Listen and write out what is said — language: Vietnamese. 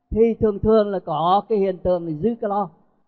thì thường thường là có cái hiện tượng dư calo